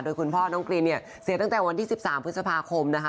โดยคุณพ่อน้องกรีนเนี่ยเสียตั้งแต่วันที่๑๓พฤษภาคมนะคะ